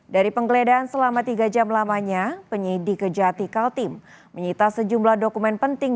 dari penggeledahan selama tiga jam lamanya penyidik kejati kaltim menyita sejumlah dokumen penting